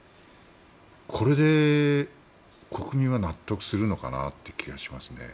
これで国民は納得するのかなっていう気がしますね。